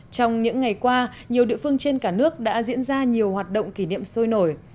trong những ngày qua nhiều địa phương trên cả nước đã diễn ra nhiều hoạt động kỷ niệm sôi nổi